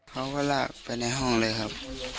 เขาก็ลากไปในห้องเลยครับ